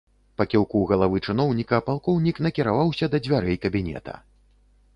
Па кіўку галавы чыноўніка палкоўнік накіраваўся да дзвярэй кабінета.